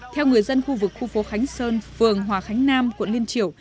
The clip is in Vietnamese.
theo người dân khu vực khu phố khánh sơn phường hòa khánh nam quận liên triểu